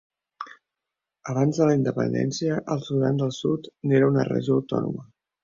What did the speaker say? Abans de la independència, el Sudan del Sud n'era una regió autònoma.